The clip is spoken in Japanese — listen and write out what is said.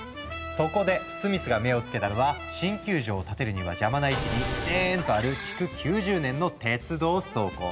そこでスミスが目を付けたのは新球場を建てるには邪魔な位置にデーンッとある築９０年の鉄道倉庫。